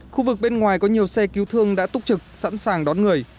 khu vực bên ngoài có nhiều xe cứu thương đã túc trực sẵn sàng đón người